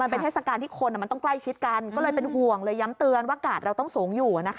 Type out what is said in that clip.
เป็นเทศกาลที่คนมันต้องใกล้ชิดกันก็เลยเป็นห่วงเลยย้ำเตือนว่ากาดเราต้องสูงอยู่